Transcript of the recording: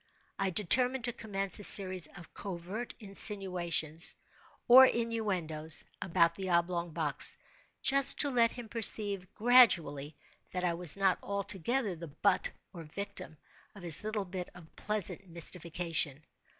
I determined to commence a series of covert insinuations, or innuendoes, about the oblong box—just to let him perceive, gradually, that I was not altogether the butt, or victim, of his little bit of pleasant mystification.